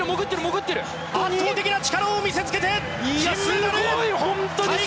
圧倒的な力を見せつけて金メダル！